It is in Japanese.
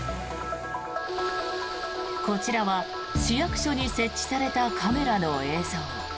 こちらは市役所に設置されたカメラの映像。